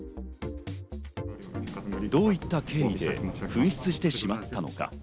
どういった経緯で紛失してしまったのか。